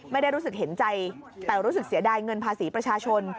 ไม่ได้รู้สึกเห็นใจแต่รู้สึกเสียดายเงินภาษีประชาชน